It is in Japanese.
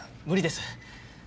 無理です。